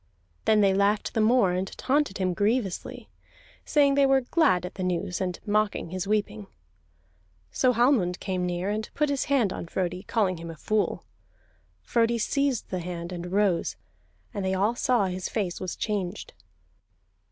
Then they laughed the more, and taunted him grievously, saying they were glad at the news, and mocking his weeping. So Hallmund came near, and put his hand on Frodi, calling him a fool. Frodi seized the hand, and rose, and they all saw his face was changed.